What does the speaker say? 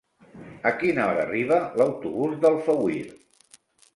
A quina hora arriba l'autobús d'Alfauir?